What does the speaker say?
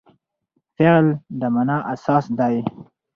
فعل د مانا اساس دئ.